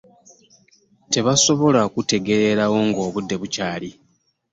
Tebasobola ku kutegeererawo nga obudde bukyali.